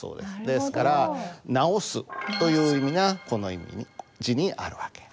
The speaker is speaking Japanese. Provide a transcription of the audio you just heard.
ですから直すという意味がこの字にある訳。